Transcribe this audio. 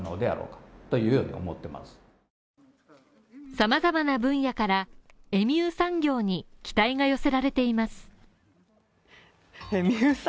様々な分野からエミュー産業に期待が寄せられています。